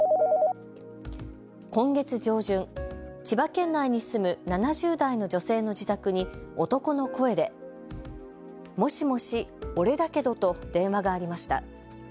今月上旬、千葉県内に住む７０代の女性の自宅に男の声でもしもし、オレだけどと電話がありました。